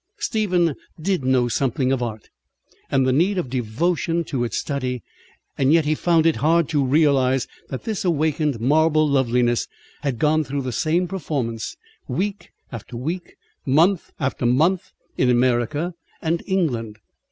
Stephen did know something of art, and the need of devotion to its study; yet he found it hard to realize that this awakened marble loveliness had gone through the same performance week after week, month after month, in America and England.